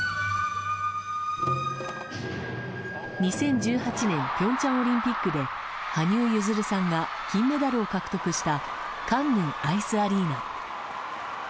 ２０１８年、平昌オリンピックで羽生結弦さんが金メダルを獲得したカンヌンアイスアリーナ。